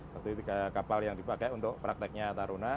waktu itu kapal yang dipakai untuk prakteknya taruna